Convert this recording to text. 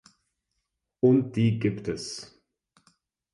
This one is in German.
Und die gibt es.